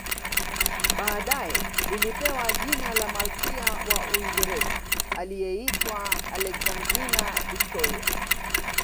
Baadae lilipewa jina la malkia wa Uingereza aliyeitwa Alexandrina Victoria